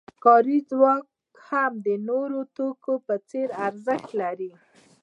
کاري ځواک هم د نورو توکو په څېر ارزښت لري